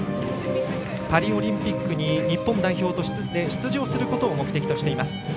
パリオリンピックに日本代表として出場することを目的としています。